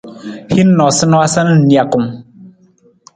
Hin noosanoosa na nijakung.